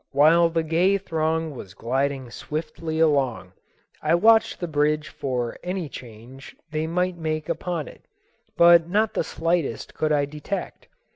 While the gay throng was gliding swiftly along, I watched the bridge for any change they might make upon it, but not the slightest could I detect.